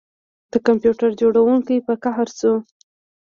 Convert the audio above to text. د کمپیوټر جوړونکي په قهر شو